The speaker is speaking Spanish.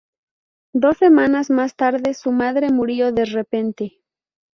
Dos semanas más tarde su madre murió de repente.